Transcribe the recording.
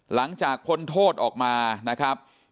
หลังจากพ้นโทษออกมานะครับ